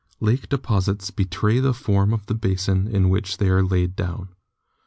Lake deposits betray the form of the basin in which they are laid down.